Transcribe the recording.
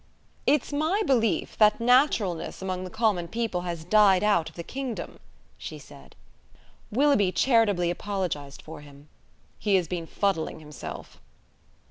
"It's my belief that naturalness among the common people has died out of the kingdom," she said. Willoughby charitably apologized for him. "He has been fuddling himself."